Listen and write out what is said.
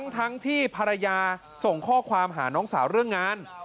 ทั้งที่ภรรยาส่งข้อความหาน้องสาวเรื่องงาน